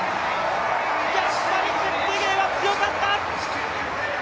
やっぱりチェプテゲイは強かった！